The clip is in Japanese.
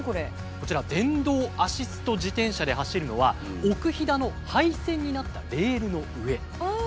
こちら電動アシスト自転車で走るのは奥飛騨の廃線になったレールの上。